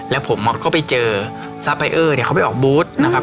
แล้วผมก็ไปเจอซาไปเออร์เนี่ยเขาไปออกบูธนะครับ